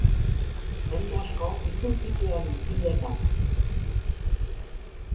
Jende asko bildu zituen hiletak.